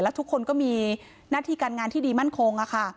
ทุกคนก็มีหน้าที่การงานที่ดีมั่นคง